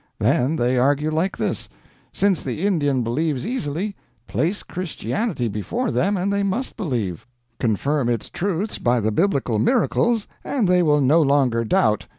Then they argue like this: since the Indian believes easily, place Christianity before them and they must believe; confirm its truths by the biblical miracles, and they will no longer doubt.